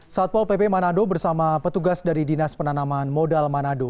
satpol pp manado bersama petugas dari dinas penanaman modal manado